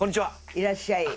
いらっしゃい。